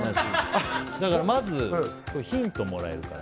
だからまずヒントもらえるから。